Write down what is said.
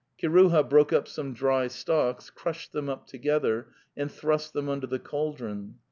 Kiruha broke up some dry stalks, crushed them up together and thrust them under the cauldron.